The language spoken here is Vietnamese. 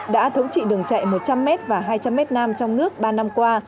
đã thống trị đường chạy một trăm linh m và hai trăm linh m nam trong nước ba năm qua